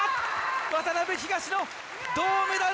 渡辺・東野、銅メダル！